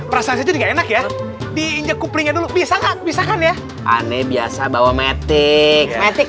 enggak enak ya diinjak kuplinya dulu bisa nggak bisa kan ya aneh biasa bawa metik metik